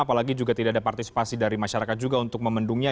apalagi juga tidak ada partisipasi dari masyarakat juga untuk memendungnya